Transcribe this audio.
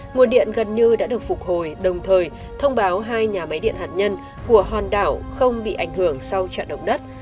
nguồn điện gần như đã được phục hồi đồng thời thông báo hai nhà máy điện hạt nhân của hòn đảo không bị ảnh hưởng sau trận động đất